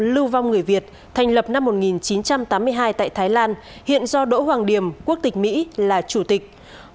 lưu vong người việt thành lập năm một nghìn chín trăm tám mươi hai tại thái lan hiện do đỗ hoàng điểm quốc tịch mỹ là chủ tịch